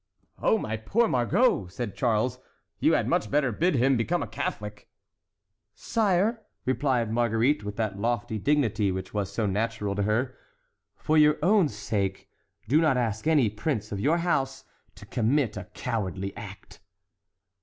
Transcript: "Oh, my poor Margot!" said Charles, "you had much better bid him become a Catholic!" "Sire," replied Marguerite, with that lofty dignity which was so natural to her, "for your own sake do not ask any prince of your house to commit a cowardly act."